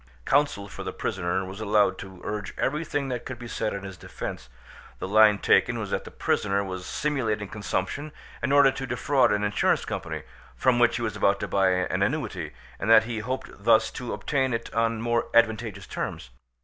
Counsel for the prisoner was allowed to urge everything that could be said in his defence: the line taken was that the prisoner was simulating consumption in order to defraud an insurance company, from which he was about to buy an annuity, and that he hoped thus to obtain it on more advantageous terms.